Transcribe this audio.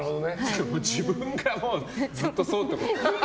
自分がずっとそうってこと？